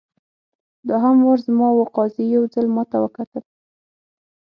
دوهم وار زما وو قاضي یو ځل ماته وکتل.